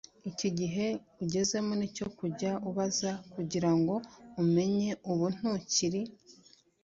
iki gihe ugezemo ni icyo kujya ubaza kugira ngo umenye. ubu ntukiri